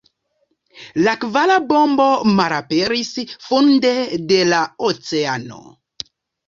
La kvara bombo malaperis funde de la oceano.